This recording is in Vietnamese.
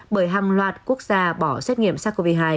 bởi hàng loạt quốc gia bỏ xét nghiệm sars cov hai